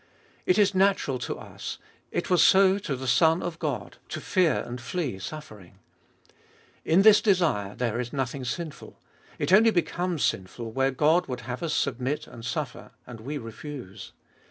It is natural to us, it was so to the Son of God, to fear and flee suffering. In this desire there is nothing sinful. It only becomes sinful where God would have us submit and suffer, and we refuse.